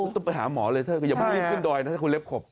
ต้องไปหาหมอเลยเถอะอย่าเพิ่งรีบขึ้นดอยนะถ้าคุณเล็บขบ